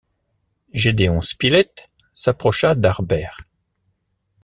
Gédéon Spilett s’approcha d’Harbert.